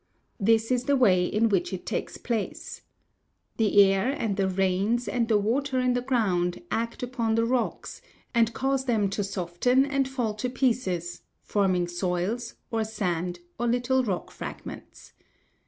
This is the way in which it takes place: The air and the rains and the water in the ground act upon the rocks, and cause them to soften and fall to pieces, forming soils, or sand, or little rock fragments.